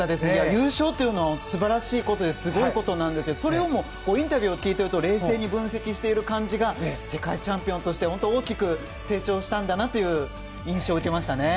優勝というのは素晴らしいことですごいことなんですがそれをもインタビューを聞いていると冷静に分析している感じが世界チャンピオンとして本当に大きく成長したんだなという印象を受けましたね。